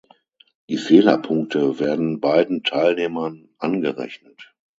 Die Fehlerpunkte werden beiden Teilnehmern angerechnet.